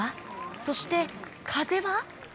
そして風は？